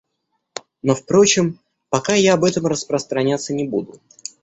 Но впрочем, пока я об этом распространяться не буду.